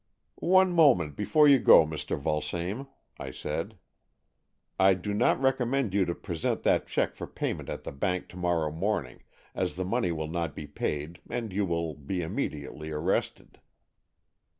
"One moment before you go, Mr. Vul same," I said. " I do not recommend you to present that cheque for payment at the Bank to morrow morning, as the money will not be paid and you will be immediately arrested."